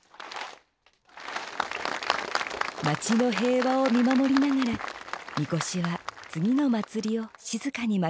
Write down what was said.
街の平和を見守りながら神輿は次の祭りを静かに待ちます。